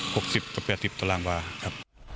หกสิบกับแปดสิบต่อล่างวา